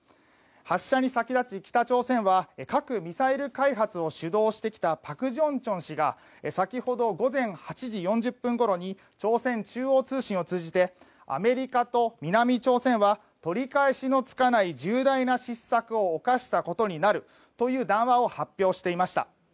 発射に先立ち北朝鮮は核・ミサイル開発を主導してきたパク・ジョンチョン氏が先ほど午前８時４０分ごろに朝鮮中央通信を通じてアメリカと南朝鮮は取り返しのつかない重大な失策を犯したことになるという談話を発表していました。